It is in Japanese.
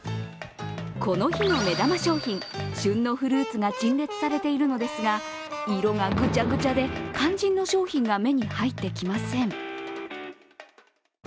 この日の目玉商品、旬のフルーツが陳列されているのですが色がぐちゃぐちゃで肝心の商品が目に入ってきません。